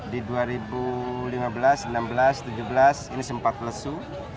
di dua ribu lima belas dua ribu enam belas dua ribu tujuh belas ini sempat lesu